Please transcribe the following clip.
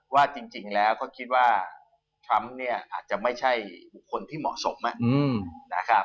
ว่าจริงแล้วก็คิดว่าทรัมป์เนี่ยอาจจะไม่ใช่บุคคลที่เหมาะสมนะครับ